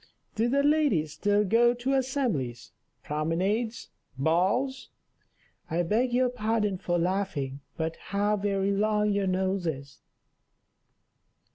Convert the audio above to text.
Do the ladies still go to assemblies, promenades, balls? I beg your pardon for laughing, but how very long your nose is."